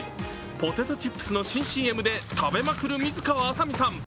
ポテトチップスの新ＣＭで食べまくる水川あさみさん。